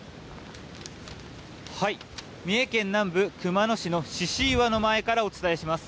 三重県南部熊野市の獅子岩の前からお伝えします。